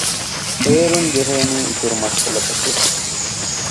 އޭރުން ޖެހޭނީ އިތުރު މައްސަލަތަކެއް